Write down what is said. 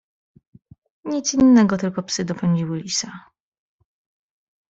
"Nic innego, tylko psy dopędziły lisa."